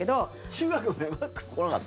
中学までマック来なかった？